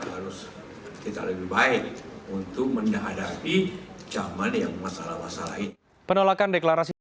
harus kita lebih baik untuk menjaga dari zaman yang masalah masalah ini